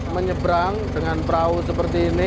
menyeberang dengan perahu seperti ini